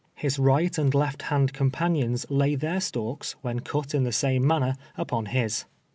His right and left hand comjjanions lay their stalks, when cut in the same manner, upon his.